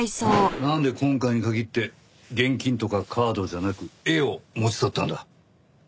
なんで今回に限って現金とかカードじゃなく絵を持ち去ったんだ？